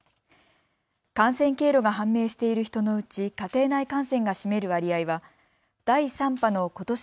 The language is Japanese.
感染経路が判明している人のうち家庭内感染が占める割合は第３波のことし